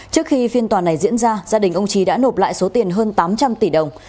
trước khi phiên tòa này diễn ra gia đình ông trí đã nộp lại số tiền hơn tám trăm linh tỷ đồng